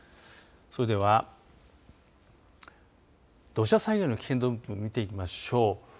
それでは、土砂災害の危険度分布を見ていきましょう。